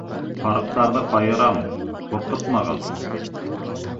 Һарыҡтарҙы ҡайырам, ҡурҡытмағыҙ.